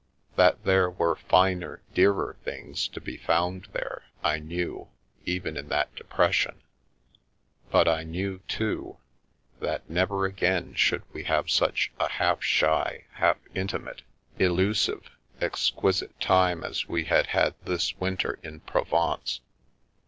That there were finer, dearer things to be found there I knew, even in that depression, but I knew, too, that never again should we have such a half shy, half intimate, elu sive, exquisite time as we had had this winter in Prov ence.